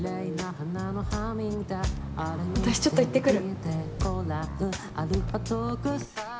私ちょっと言ってくる。